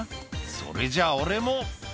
「それじゃ俺も」